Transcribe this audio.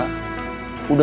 dia bisa berubah